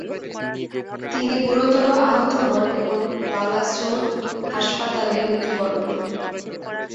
তিনি গুরুতর আহত হন এবং বালাসোর হাসপাতালে মৃত্যুবরণ করেন।